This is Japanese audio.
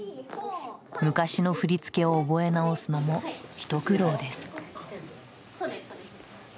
昔の振り付けを覚え直すのも一苦労です。